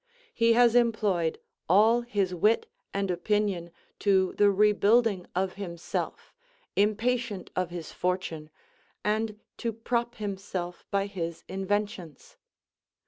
He has employed all his wit and opinion to the rebuilding of himself, impatient of his fortune, and to prop himself by his inventions.